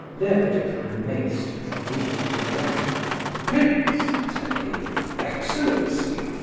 Lebedeff grimaced and wriggled again. "Prince!" said he. "Excellency!